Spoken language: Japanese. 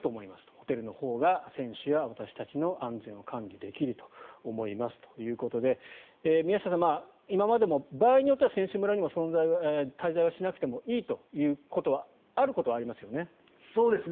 ホテルのほうが選手や私たちの安全を管理できると思いますということで宮下さん、今までも場合によっては選手村にも滞在はしなくてもいいということはあることはありましたよね。